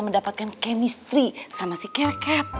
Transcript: mendapatkan chemistry sama si ket